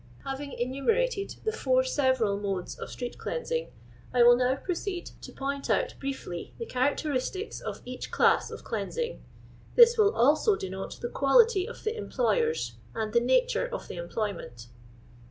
Having enumerated the four several modes of street cleansing, I will now proceed to point out briefly the characteristics of each class of cleansing. This will also denote the quality of the employers and the nature of the employment.